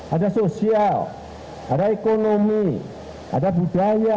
ada sosial ada ekonomi ada budaya